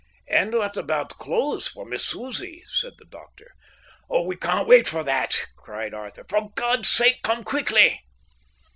"And what about clothes for Miss Susie?" said the doctor. "Oh, we can't wait for that," cried Arthur. "For God's sake, come quickly."